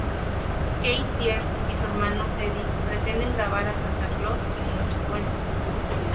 Kate Pierce y su hermano Teddy pretenden grabar a Santa Claus en Nochebuena.